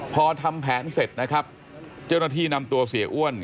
พอทำแผนเสร็จนะครับเจ้าหน้าที่นำตัวเสียอ้วน